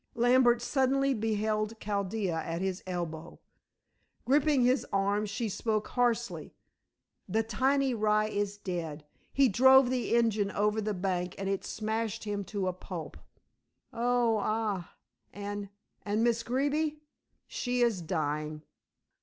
Lambert suddenly beheld Chaldea at his elbow. Gripping his arm, she spoke hoarsely, "The tiny rye is dead. He drove the engine over a bank and it smashed him to a pulp." "Oh! ah! And and Miss Greeby?" "She is dying."